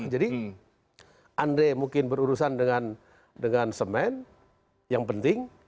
jadi andre mungkin berurusan dengan dengan semen yang penting